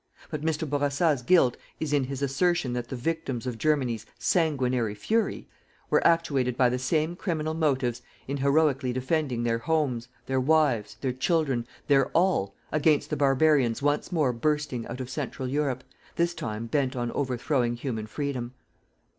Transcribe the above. But Mr. Bourassa's guilt is in his assertion that the victims of Germany's sanguinary fury were actuated by the same criminal motives in heroically defending their homes, their wives, their children, their all, against the barbarians once more bursting out of Central Europe, this time bent on overthrowing human freedom.